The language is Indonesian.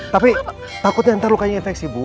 tapi takutnya ntar lukanya infeksi bu